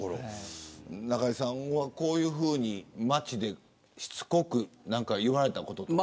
中居さんはこういうふうに街でしつこく言われたことって。